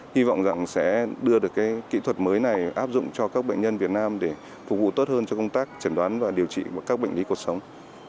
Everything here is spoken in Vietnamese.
hy vọng rằng sẽ đưa được kỹ thuật mới này áp dụng cho các bệnh nhân việt nam để phục vụ tốt hơn cho công tác chẩn đoán và điều trị các bệnh lý cuộc sống